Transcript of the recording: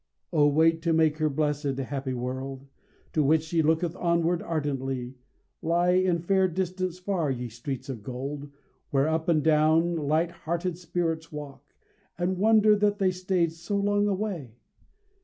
Oh, wait to make her blessed, happy world! To which she looketh onward, ardently. Lie in fair distance far, ye streets of gold, Where up and down light hearted spirits walk, And wonder that they stayed so long away.